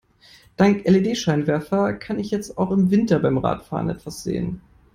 Dank LED-Scheinwerfer kann ich jetzt auch im Winter beim Radfahren etwas sehen.